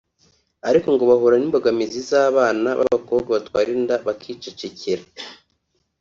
ariko ngo bahura n’imbogamizi z’abana b’abakobwa batwara inda bakicecekera